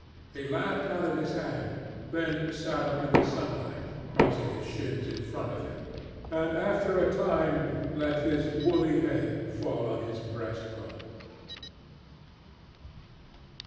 He lapped out of his hand, then sat up in the sunlight, crossing his shins in front of him, and after a time let his woolly head fall on his breastbone.